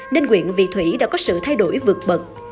nên nguyện vị thủy đã có sự thay đổi vượt bật